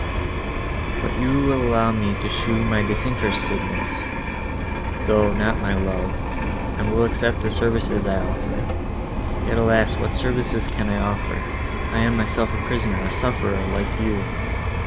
—"But you will allow me to show my disinterestedness, though not my love, and will accept the services I offer. Yet, alas! what services can I offer? I am myself a prisoner, a sufferer, like you.